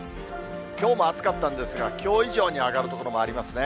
きょうも暑かったんですが、きょう以上に上がる所もありますね。